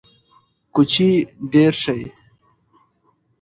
کوچي ډیر شي